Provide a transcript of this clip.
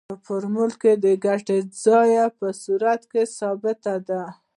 په فورمول کې د ګټې بیه په صورت کې ثابته ده